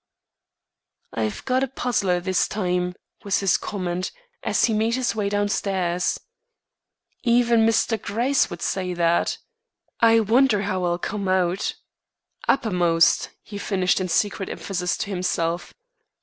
"I've got a puzzler this time," was his comment, as he made his way downstairs. "Even Mr. Gryce would say that. I wonder how I'll come out. Uppermost!" he finished in secret emphasis to himself.